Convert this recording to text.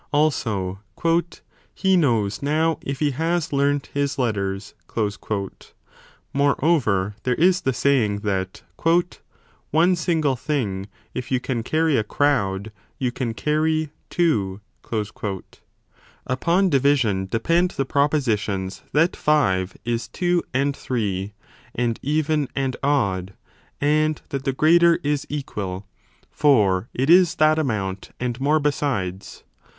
Also, l He knows now if 3 he has learnt his letters. 2 Moreover, there is the saying that One single thing if you can carry a crowd you can carry too . Upon division depend the propositions that 5 is 2 and 3, and even and odd, and that the greater is equal : for it is that amount and more besides.